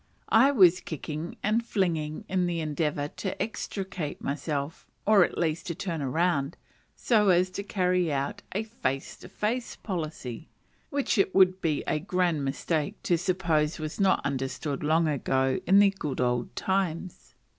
I was kicking and flinging in the endeavour to extricate myself; or, at least, to turn round, so as to carry out a "face to face" policy: which it would be a grand mistake to suppose was not understood long ago in the good old times.